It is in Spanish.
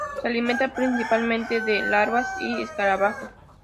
Se alimenta principalmente de larvas y escarabajos.